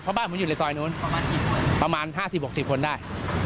เพราะบ้านผมอยู่ในซอยนู้นประมาณกี่คนประมาณ๕๐๖๐คนได้